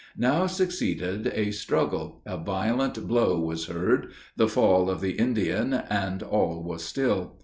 Now succeeded a struggle a violent blow was heard the fall of the Indian, and all was still.